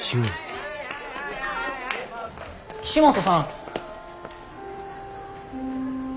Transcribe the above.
岸本さん。